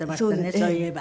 そういえば。